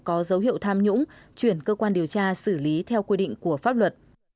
có dấu hiệu tham nhũng chuyển cơ quan điều tra xử lý theo quy định của pháp luật